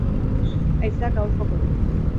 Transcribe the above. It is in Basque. Haizeak ahul joko du.